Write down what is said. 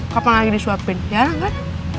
kapan lagi disuapin jarang kan